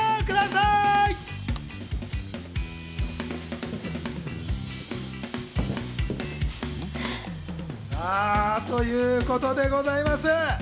さぁ、ということでございます。